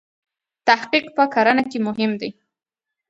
تحقیق په کرنه کې مهم دی.